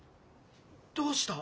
どうした？